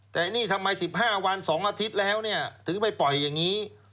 แต่นี่ทำไมสิบห้าวันสองอาทิตย์แล้วถึงไปปล่อยอย่างนี้